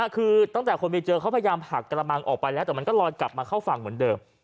คือตั้งแต่คนไปเจอเขาพยายามหักกระมังออกไปแล้วแต่มันก็ลอยกลับมาเข้าฝั่งเหมือนเดิม